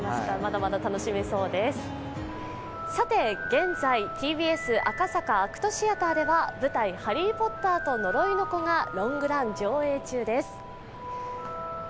現在、ＴＢＳ赤坂ＡＣＴシアターでは舞台「ハリー・ポッターと呪いの子」がロングラン上映中です。